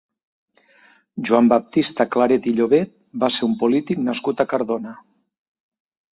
Joan Baptista Claret i Llobet va ser un polític nascut a Cardona.